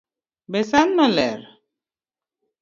Be San no ler?